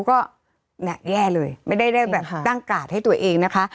ก็แย่เลยไม่ได้ได้แบบตั้งกาดให้ตัวเองนะคะ